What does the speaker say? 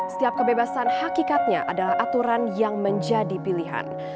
setiap kebebasan hakikatnya adalah aturan yang menjadi pilihan